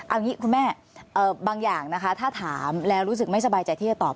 เอาอย่างนี้คุณแม่บางอย่างนะคะถ้าถามแล้วรู้สึกไม่สบายใจที่จะตอบ